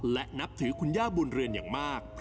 และนับถือคุณย่าบุญเรือนอย่างมาก